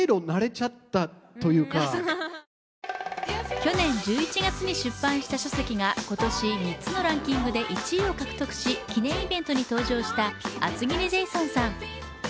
去年１１月に出版した書籍が今年３つのランキングで１位を獲得し記念イベントに登場した厚切りジェイソンさん。